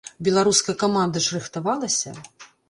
Беларуская каманда ж рыхтавалася?